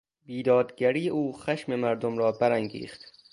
بیدادگری او خشم مردم را برانگیخت.